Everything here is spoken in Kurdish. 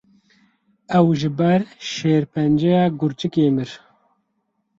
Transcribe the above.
Ew ji ber şêrpenceya gurçikê mir.